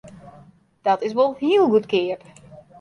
Dat is wol hiel goedkeap!